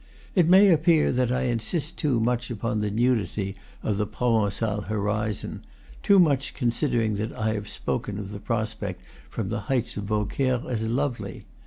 It may appear that I insist too much upon the nudity of the Provencal horiion, too much, considering that I have spoken of the prospect from the heights of Beaucaire as lovely.